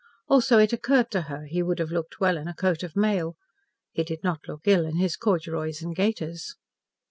Also it occurred to her he would have looked well in a coat of mail. He did not look ill in his corduroys and gaiters.